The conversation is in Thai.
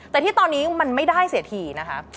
แต่ที่ตอนนี้มันไม่ได้เสียทีนะคะ